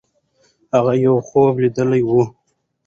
هغې یو خوب لیدلی وو.